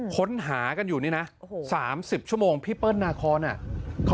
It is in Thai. คนหากันอยู่นี่นะสามสิบชั่วโมงพี่เปิ้ลนาคอร์น่ะ